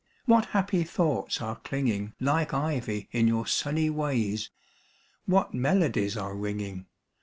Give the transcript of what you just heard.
What happy thoughts are clinging Like ivy in your sunny ways, "What melodies are ringing.